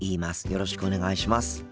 よろしくお願いします。